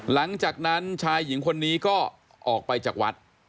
หลังจากนั้นชายหญิงคนนี้ก็ออกไปจากวัด